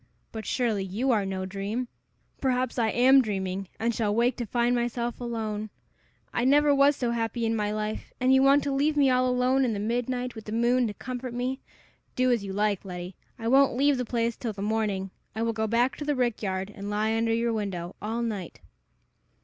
But, surely, you are no dream! Perhaps I am dreaming, and shall wake to find myself alone! I never was so happy in my life, and you want to leave me all alone in the midnight, with the moon to comfort me! Do as you like, Letty! I won't leave the place till the morning. I will go back to the rick yard, and lie under your window all night."